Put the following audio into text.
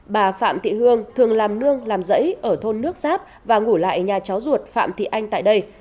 bà phạm thị hương thường làm nương làm rẫy ở thôn nước giáp và ngủ lại nhà cháu ruột phạm thị anh tại đây